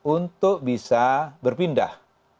untuk bisa berpindah